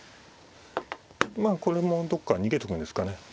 まあこれもどっかに逃げとくんですかね。